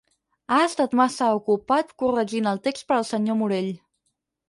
Ha estat massa ocupat corregint el text per al senyor Morell.